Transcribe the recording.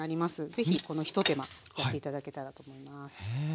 是非この一手間やって頂けたらと思います。